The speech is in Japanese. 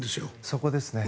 そこですね。